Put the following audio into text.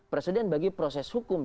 presiden bagi proses hukum